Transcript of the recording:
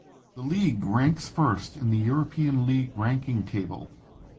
The league ranks first in the European league ranking table.